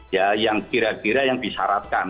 ya yang kira kira yang disyaratkan